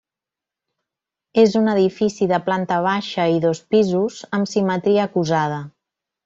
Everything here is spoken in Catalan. És un edifici de planta baixa i dos pisos amb simetria acusada.